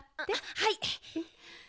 はい。